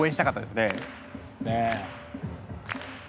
ねえ。